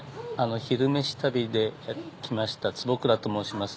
「昼めし旅」で来ました坪倉と申します。